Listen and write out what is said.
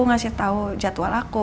ngasih tau jadwal aku